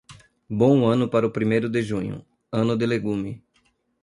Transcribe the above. Bom ano para o primeiro de junho, ano de legume.